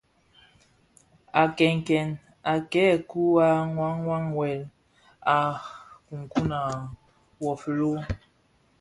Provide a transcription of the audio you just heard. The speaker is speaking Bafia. À kenken à këë kun à wuwà wëll, à kunkun à wu filo.